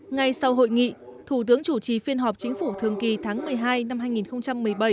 ngay sau hội nghị thủ tướng chủ trì phiên họp chính phủ thường kỳ tháng một mươi hai năm hai nghìn một mươi bảy